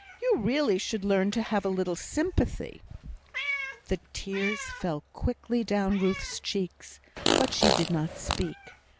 You really should learn to have a little sympathy." The tears fell quickly down Ruth's cheeks, but she did not speak.